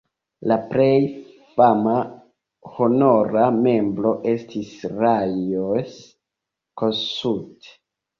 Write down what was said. La plej fama honora membro estis Lajos Kossuth.